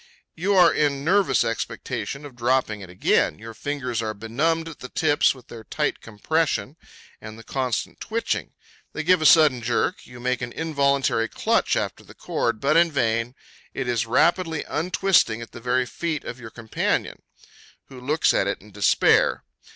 You are in nervous expectation of dropping it again. Your fingers are benumbed at the tips with their tight compression, and the constant twitching. They give a sudden jerk. You make an involuntary clutch for the cord, but in vain. It is rapidly untwisting at the very feet of your companion, who looks at it in despair.